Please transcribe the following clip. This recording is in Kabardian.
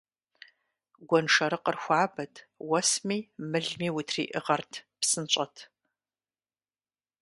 Гуэншэрыкъыр хуабэт, уэсми мылми утриӀыгъэрт, псынщӀэт.